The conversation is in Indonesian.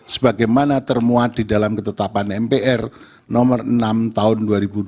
sebagaimana termuat di dalam ketetapan mpr nomor enam tahun dua ribu dua puluh